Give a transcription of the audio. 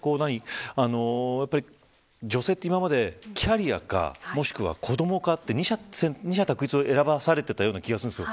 女性って、今までキャリアかもしくは子どもかって二者択一を選ばされていたような気がするんです。